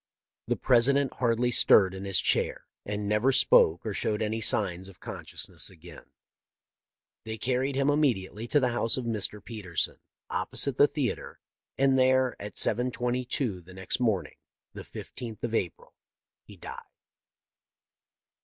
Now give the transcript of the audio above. The President hardly stirred in his chair, and never spoke or showed any signs of consciousness again. " They carried him immediately to the house of Mr. Petersen, opposite the theatre, and there, at 7:22 the next morning, the 15th of April, he died.